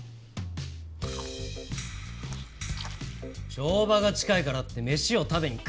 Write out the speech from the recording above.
帳場が近いからって飯を食べに来るな！